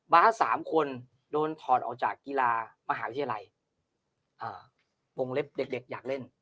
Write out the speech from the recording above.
สามคนโดนถอดออกจากกีฬามหาวิทยาลัยวงเล็บเด็กอยากเล่น